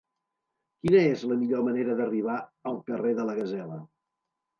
Quina és la millor manera d'arribar al carrer de la Gasela?